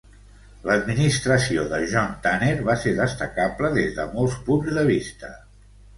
L'administració de John Tanner va ser destacable des de molts punts de vista.